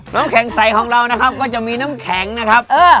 น้ำแข็งใสของเรานะครับก็จะมีน้ำแข็งนะครับ